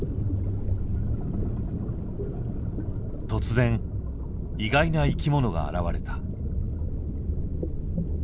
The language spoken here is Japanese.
突然意外な生きものが現れた。